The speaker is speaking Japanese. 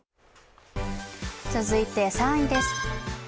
続いて３位です。